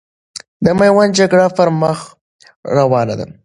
د میوند جګړه پرمخ روانه ده.